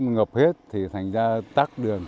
ngập hết thì thành ra tắt đường